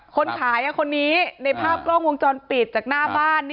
คนขายคนนี้ในภาพกล้องวงจรปิดจากหน้าบ้าน